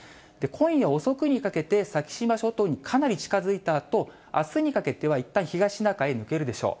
今夜遅くにかけて、先島諸島にかなり近づいたあと、あすにかけてはいったん東シナ海へ抜けるでしょう。